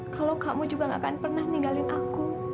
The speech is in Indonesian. kalau kamu juga gak akan pernah ninggalin aku